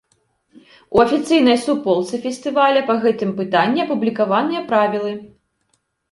У афіцыйнай суполцы фестываля па гэтым пытанні апублікаваныя правілы.